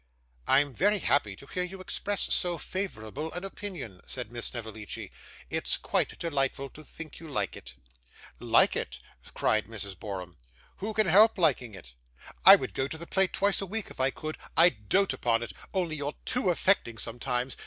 'I am very happy to hear you express so favourable an opinion,' said Miss Snevellicci. 'It's quite delightful to think you like it.' 'Like it!' cried Mrs. Borum. 'Who can help liking it? I would go to the play, twice a week if I could: I dote upon it only you're too affecting sometimes.